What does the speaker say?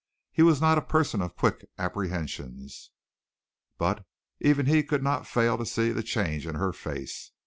He was not a person of quick apprehensions, but even he could not fail to see the change in her face.